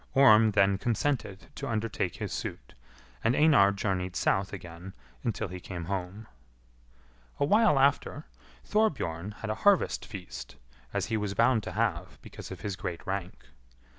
Orm then consented to undertake his suit, and Einar journeyed south again until he came home. A while after, Thorbjorn had a harvest feast, as he was bound to have because of his great rank.